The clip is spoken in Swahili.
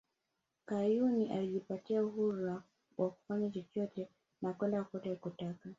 Kayuni alijipatia uhuru wa kufanya chochote na kwenda kokote alikotaka